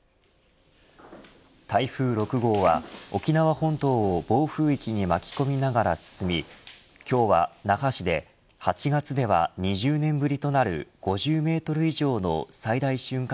台風６号は沖縄本島を暴風域に巻き込みながら進み今日は那覇市で８月では２０年ぶりとなる５０メートル以上の最大瞬間